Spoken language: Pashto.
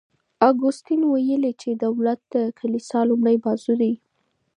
اګوستین ویلي چي دولت د کلیسا لومړی بازو دی.